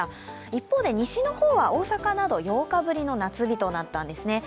一方で西の方は大阪など８日ぶりの夏日となったんですね。